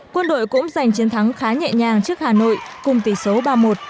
quân đội cũng giành chiến thắng khá nhẹ nhàng trước hà nội cùng tỷ số ba một